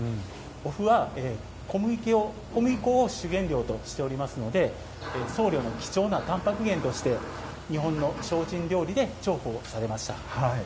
お麩は、小麦粉を主原料としておりますので僧侶の貴重なたんぱく源として日本の精進料理で重宝されました。